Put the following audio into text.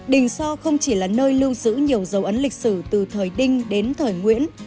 đình so không chỉ là nơi lưu giữ nhiều dấu ấn lịch sử từ thời đinh đến thời nguyễn